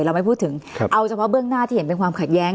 เราไม่พูดถึงเอาเฉพาะเบื้องหน้าที่เห็นเป็นความขัดแย้ง